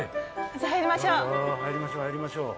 じゃ入りましょう。